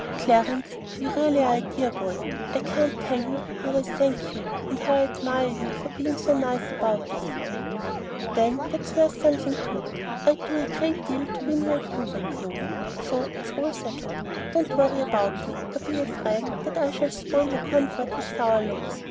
"Clarence, you really are a dear boy! I can't tell you how I thank you, and how I admire you for being so nice about this." "Then that's worth something, too. I'd do a good deal to win your approval, Clover. So it's all settled. Don't worry about me, or be afraid that I shall spoil your comfort with sour looks.